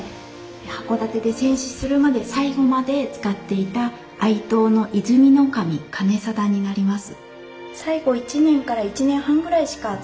箱館で戦死するまで最期まで使っていた愛刀の和泉守兼定になります。